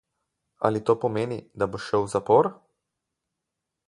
Ali to pomeni, da bo šel v zapor?